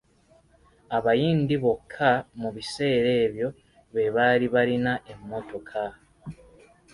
Abayindi bokka mu biseera ebyo be baali balina emmotoka.